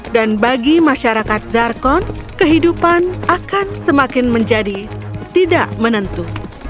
bagi masyarakat zarkon kehidupan akan semakin menjadi tidak menentu